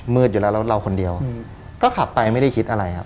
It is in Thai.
อยู่แล้วแล้วเราคนเดียวก็ขับไปไม่ได้คิดอะไรครับ